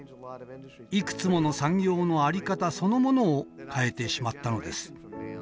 いくつもの産業の在り方そのものを変えてしまったのです。